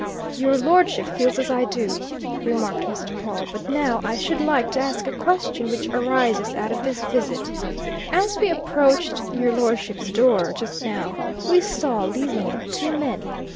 "Your lordship feels as I do," remarked Mr. Pawle. "But now I should like to ask a question which arises out of this visit. As we approached your lordship's door, just now, we saw, leaving it, two men.